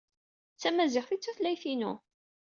D tamaziɣt ay d tutlayt-inu.